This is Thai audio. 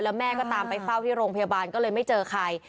แล้วแม่ก็ตามไปเฝ้าที่โรงพยาบาลก็เลยไม่เจอใคร